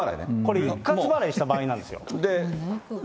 一括払いした場合なんですよ。